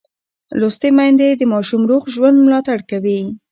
لوستې میندې د ماشوم روغ ژوند ملاتړ کوي.